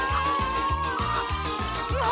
うわ！